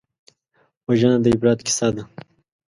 وژنه د عبرت کیسه ده